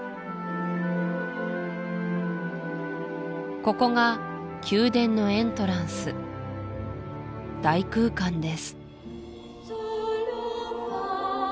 ここが宮殿のエントランス大空間です